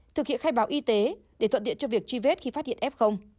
thực hiện khai báo y tế để thuận tiện cho việc truy vết khi phát hiện f